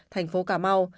thành phố cà mau